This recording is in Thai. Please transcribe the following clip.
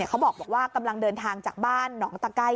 เขาบอกว่ากำลังเดินทางจากบ้านหนองตะไก้